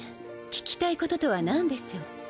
聞きたいこととはなんでしょう？